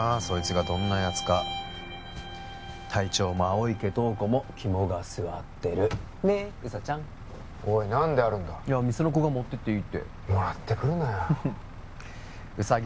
そいつがどんなやつか隊長も青池透子も肝が据わってるねえウサちゃんおい何であるんだ店の子が持ってっていいってもらってくるなよ